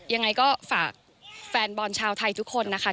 ยังไงก็ฝากแฟนบอลชาวไทยทุกคนนะคะ